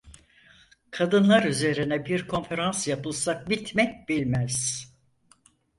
Kadınlar üzerine bir konferans yapılsa bitmek bilmez.